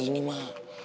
jadi gini mak